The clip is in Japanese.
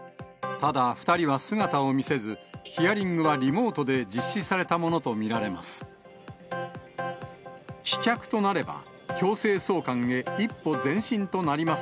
ただ、２人は姿を見せず、ヒアリングはリモートで実施されたものと見られます。